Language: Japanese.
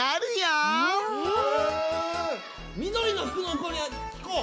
みどりのふくのこにきこう！